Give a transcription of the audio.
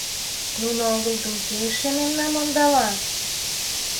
Нуно огыл гын, кӧ эше мемнам ондала?